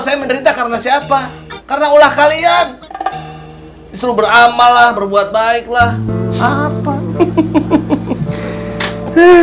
saya menderita karena siapa karena ulah kalian disuruh beramalah berbuat baiklah apa hehehe